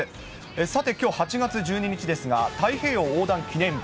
さて、きょう８月１２日ですが、太平洋横断記念日。